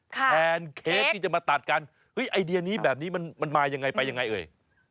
เครสที่จะมาตัดกันเฮ้ยไอเดียนี้แบบนี้มันมายังไงไปยังไงเอ่ย